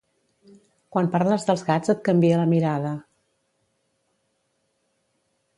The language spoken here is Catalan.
Quan parles dels gats et canvia la mirada.